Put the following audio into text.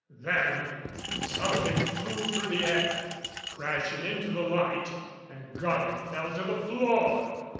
Then something flew through the air crashing into the light and Goddard fell to the floor.